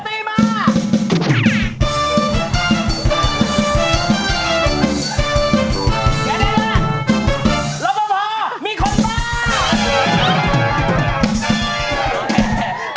ไม่ได้แล้วล่ะแล้วมันพอมีคนป้า